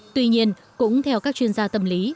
tuy nhiên cũng theo các chuyên gia tâm lý